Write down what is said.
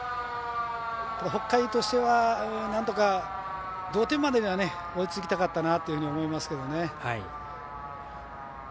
北海としてはなんとか、同点までには追いつきたかったかなと思いますけどね。